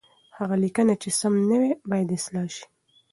هغه لیکنه چې سم نه وي، باید اصلاح شي.